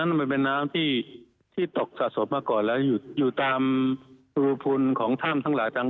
อันนั้นเป็นน้ำที่ตกประสบสะสมมาก่อนแล้วอยู่ตามรูขุมชนรดทำของทำคราจัง